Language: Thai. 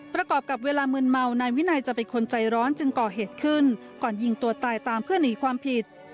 ประกอบกับเวลามืนเมานายวินัยจะเป็นคนใจร้อนจึงก่อเหตุขึ้นก่อนยิงตัวตายตามเพื่อหนีความผิด